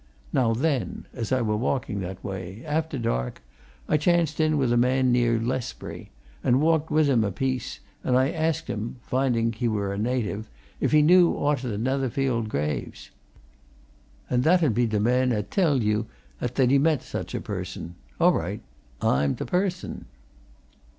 Now then, as I were walking that way, after dark I chanced in wi' a man near Lesbury, and walked wi' him a piece, and I asked him, finding he were a native, if he knew owt o' t' Netherfield graves. And that 'ud be t' man 'at tell'd you 'at he'd met such a person. All right! I'm t' person.'